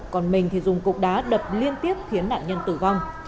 còn mình thì dùng cục đá đập liên tiếp khiến nạn nhân tử vong